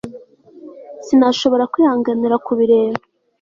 Sinashoboraga kwihanganira kubireba